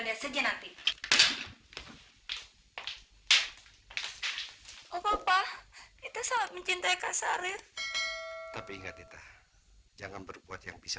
lihat saja nanti oh papa kita sangat mencintai ksarif tapi ingat nita jangan berbuat yang bisa